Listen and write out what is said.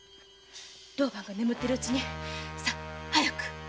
牢番が眠っているうちにさっ早く！